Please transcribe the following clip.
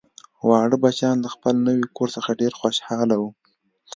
واړه بچیان له خپل نوي کور څخه ډیر خوشحاله وو